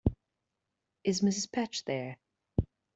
Is Mrs. Patch there?